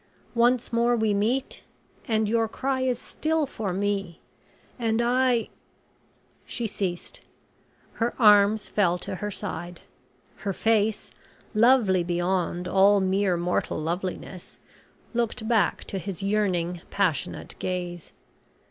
Once more we meet, and your cry is still for me. And I " She ceased; her arms fell to her side. Her face, lovely beyond all mere mortal loveliness, looked back to his yearning, passionate gaze.